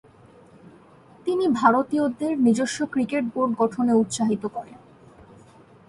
তিনি ভারতীয়দেরকে নিজস্ব cricket board গঠনে উৎসাহিত করেন।